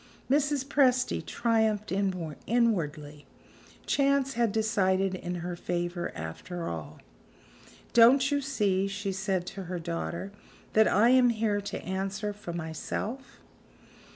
Mrs. Presty triumphed inwardly; chance had decided in her favor, after all! "Don't you see," she said to her daughter, "that I am here to answer for myself?"